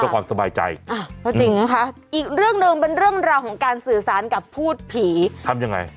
ค่ะอีกเรื่องหนึ่งเป็นเรื่องราวของการสื่อสารกับผู้ผีทำยังไง